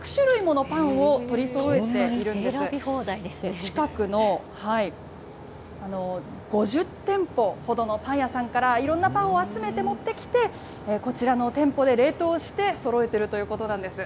近くの５０店舗ほどのパン屋さんからいろんなパンを集めて持ってきて、こちらの店舗で冷凍して、そろえているということなんです。